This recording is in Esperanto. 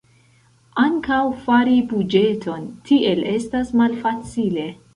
Ankaŭ fari buĝeton tiel estas malfacile.